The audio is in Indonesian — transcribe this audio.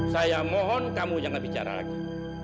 saya mohon kamu jangan bicara lagi